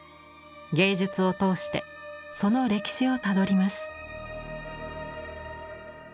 芸術を通してその歴史をたどります。